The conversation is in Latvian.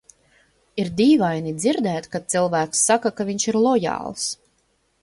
Ir dīvaini dzirdēt, kad cilvēks saka, ka viņš ir lojāls.